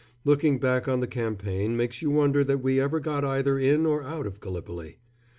Looking back on the campaign makes you wonder that we ever got either in or out of Gallipoli.